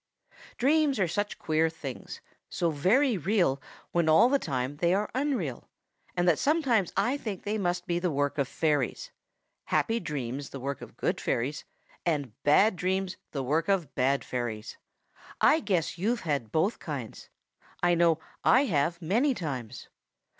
|DREAMS are such queer things, so very real when all the time they are unreal, that sometimes I think they must be the work of fairies, happy dreams the work of good fairies and bad dreams the work of bad fairies. I guess you've had both kinds. I know I have many times.